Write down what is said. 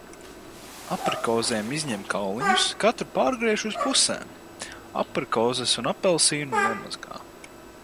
Aprikozēm izņem kauliņus, katru pārgriež uz pusēm. Aprikozes un apelsīnu nomazgā.